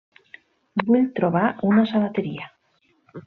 Vull trobar una sabateria.